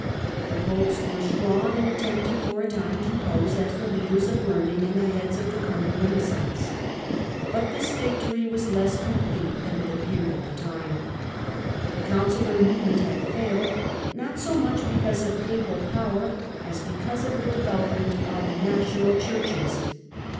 The Popes were strong and attempted for a time to pose as the leaders of learning and the heads of the coming Kenaissance. But this victory was less complete than it appeared at the time. The Concihar movement had failed, not so much because of Papal power, as because of the development of national 180 THE END OF THE IVtIDDLE AGE Churches.